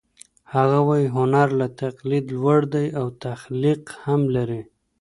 هغه وايي هنر له تقلید لوړ دی او تخلیق هم لري